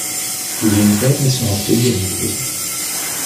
Gli inverni sono freddi e nevosi.